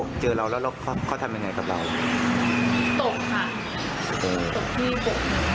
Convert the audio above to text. เขาเจอเราแล้วเขาเขาทำยังไงกับเราตกค่ะตกที่ปกหนึ่งนะครับ